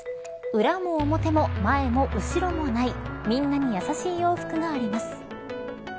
裏も表も、前も後ろもないみんなにやさしい洋服があります。